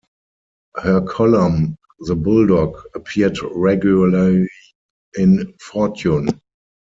Her column, "The Bulldog", appeared regularly in "Fortune".